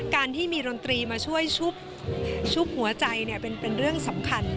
การที่มีดนตรีมาช่วยชุบหัวใจเป็นเรื่องสำคัญ